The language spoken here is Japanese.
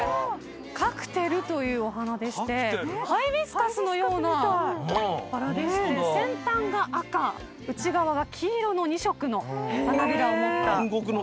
カクテルというお花でしてハイビスカスのようなバラでして先端が赤内側が黄色の２色の花びらを持ったお花です。